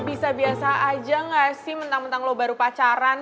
bisa biasa aja gak sih mentang mentang lo baru pacaran